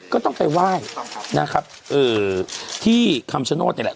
ก็ต้องไปไหว้ต้องครับนะครับเอ่อที่คำสนุทรเนี่ยแหละ